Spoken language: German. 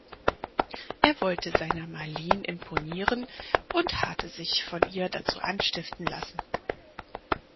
Er wollte seiner Marleen imponieren und hatte sich von ihr dazu anstiften lassen.